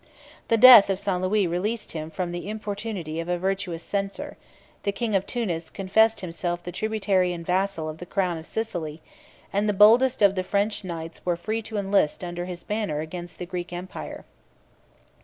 The death of St. Louis released him from the importunity of a virtuous censor: the king of Tunis confessed himself the tributary and vassal of the crown of Sicily; and the boldest of the French knights were free to enlist under his banner against the Greek empire.